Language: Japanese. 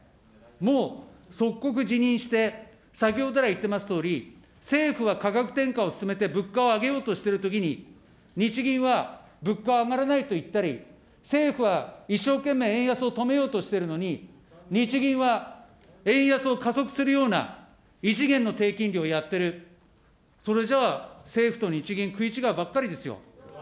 もう即刻辞任して、先ほど来、言ってますとおり、政府は価格転嫁を進めて、物価を上げようとしているときに、日銀は物価は上がらないと言ったり、政府は一生懸命円安を止めようとしてるのに、日銀は円安を加速するような異次元の低金利をやってる、それじゃあ、政府と日銀、食い違うばっかりですよ。